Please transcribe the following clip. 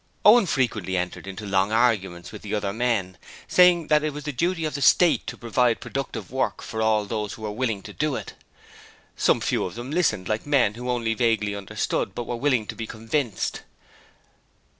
Owen frequently entered into long arguments with the other men, saying that it was the duty of the State to provide productive work for all those who were willing to do it. Some few of them listened like men who only vaguely understood, but were willing to be convinced.